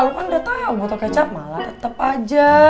lo kan udah tau botol kecap malah tetep aja